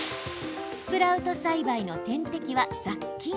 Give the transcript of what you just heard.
スプラウト栽培の天敵は雑菌。